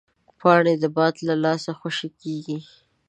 پاڼې د باد له لاسه خوشې کېږي